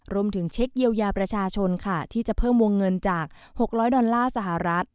เช็คเยียวยาประชาชนค่ะที่จะเพิ่มวงเงินจาก๖๐๐ดอลลาร์สหรัฐ